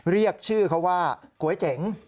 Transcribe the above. เรียกชื่อเขาว่าก๋วยเจ๋ง